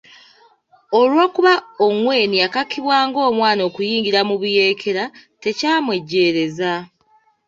Olw'okuba Ongwen yakakibwa ng'omwana okuyingira mu buyeekera, tekyamwejjeereza .